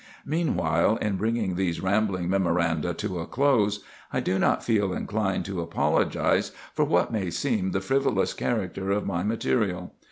Meanwhile, in bringing these rambling memoranda to a close, I do not feel inclined to apologize for what may seem the frivolous character of my material.